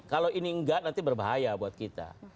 kalau ini enggak nanti berbahaya buat kita